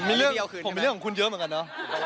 ผมมีเรื่องของคุณเยอะเหมือนกันน่ะ